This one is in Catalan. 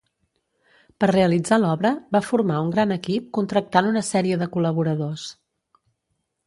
Per realitzar l'obra va formar un gran equip contractant una sèrie de col·laboradors.